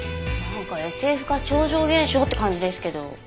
なんかＳＦか超常現象って感じですけど。